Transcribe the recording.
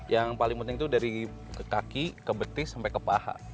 yang paling penting itu dari kaki ke betis sampai ke paha